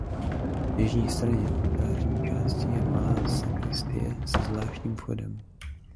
Na jižní straně oltářní části je malá sakristie se zvláštním vchodem.